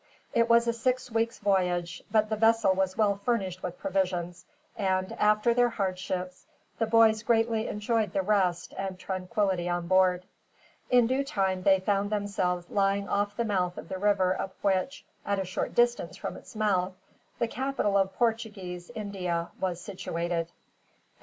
It was a six weeks' voyage, but the vessel was well furnished with provisions and, after their hardships, the boys greatly enjoyed the rest and tranquility on board. In due time they found themselves lying off the mouth of the river up which, at a short distance from its mouth, the capital of Portuguese India was situated.